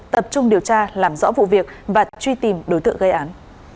tập trung điều tra làm rõ vụ việc và truy tìm đối tượng gây án